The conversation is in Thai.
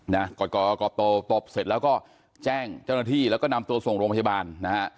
กอดโตตบเสร็จแล้วก็แจ้งเจ้าหน้าที่แล้วก็นำตัวส่งโรงพยาบาลนะฮะ